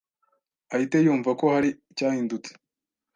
ahite yumva ko hari icyahindutse.